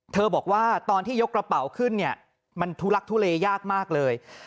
บอกว่าตอนที่ยกกระเป๋าขึ้นเนี่ยมันทุลักทุเลยากมากเลย